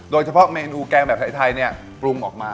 โดยเฉพาะเมนูแกงแบบไทยเนี่ยปรุงออกมา